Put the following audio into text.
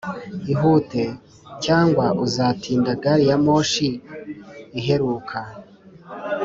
ihute, cyangwa uzatinda gari ya moshi iheruka.